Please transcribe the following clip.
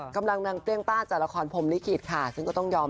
กำลังเตรียงป้าจากละครพลิคิตค่ะซึ่งก็ต้องยอม๘๖